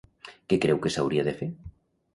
Què creu que s'hauria de fer?